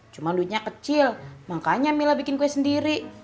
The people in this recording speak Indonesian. cuma duitnya kecil makanya mila bikin kue sendiri